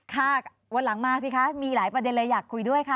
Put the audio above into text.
ค่ะวันหลังมาสิคะมีหลายประเด็นเลยอยากคุยด้วยค่ะ